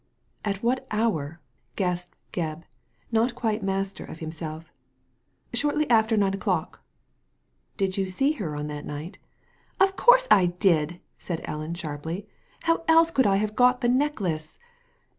" At what hour ?" gasped Gebb, not quite master of himsel£ "Shortly after nine o'clock.* " Did you see her on that night ?" "Of course I didl" said Edith, sharply. "How .else could I have got the necklace